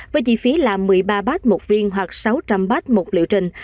với chi phí là một mươi ba bát một viên hoặc sáu trăm linh bát một liệu trình